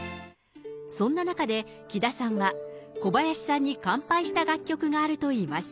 そんな中で、キダさんは小林さんに完敗した楽曲があるといいます。